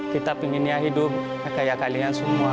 kita pinginnya hidup kayak kalian semua